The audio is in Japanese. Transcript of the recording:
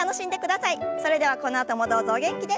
それではこのあともどうぞお元気で。